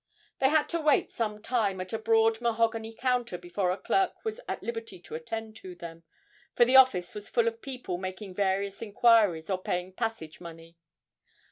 They had to wait some time at a broad mahogany counter before a clerk was at liberty to attend to them, for the office was full of people making various inquiries or paying passage money.